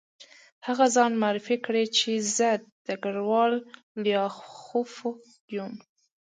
هغه ځان معرفي کړ چې زه ډګروال لیاخوف یم